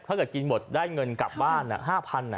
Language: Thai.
ถ้าเกิดกินหมดได้เงินกลับบ้าน๕๐๐บาท